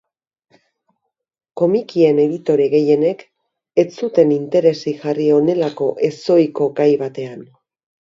Komikien editore gehienek ez zuten interesik jarri honelako ezohiko gai batean.